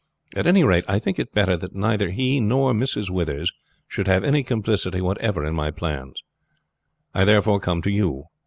At any rate, I think it better that neither he nor Mrs. Withers should have any complicity whatever in my plans. I therefore come to you.